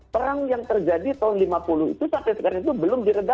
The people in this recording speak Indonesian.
perang yang terjadi tahun seribu sembilan ratus lima puluh itu sampai sekarang itu belum diredakan